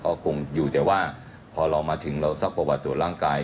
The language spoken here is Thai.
ก็คงอยู่แต่ว่าพอเรามาถึงเราซักประวัติตรวจร่างกาย